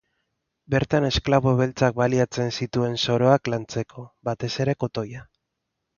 Bertan esklabo beltzak baliatzen zituen soroak lantzeko, batez ere kotoia.